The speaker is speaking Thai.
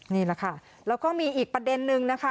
นี่แหละค่ะแล้วก็มีอีกประเด็นนึงนะคะ